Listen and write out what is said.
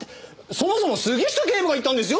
そもそも杉下警部が言ったんですよ！？